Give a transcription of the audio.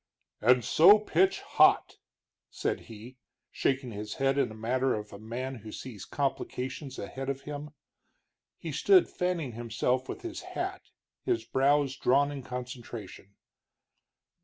"And so pitch hot!" said he, shaking his head in the manner of a man who sees complications ahead of him. He stood fanning himself with his hat, his brows drawn in concentration.